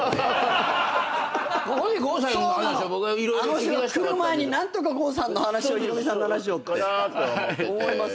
あの人が来る前に何とか郷さんの話をひろみさんの話をって思います。